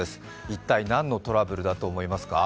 一体何のトラブルだと思いますか？